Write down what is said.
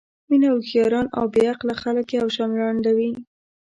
مینه هوښیاران او بې عقله خلک یو شان ړندوي.